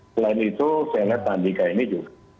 selain itu saya lihat pak andika ini juga